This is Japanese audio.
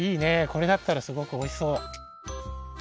これだったらすごくおいしそう！